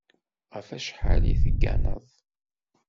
Ɣef wacḥal i tegganeḍ?